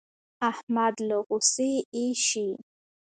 احمد له غوسې اېشي.